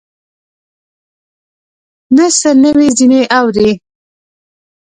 نه څه نوي ځینې اورې